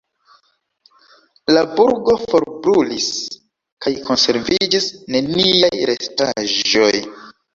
La burgo forbrulis kaj konserviĝis neniaj restaĵoj.